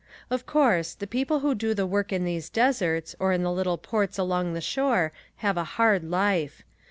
Of course, the people who do the work in these deserts or in the little ports along the shore have a hard life.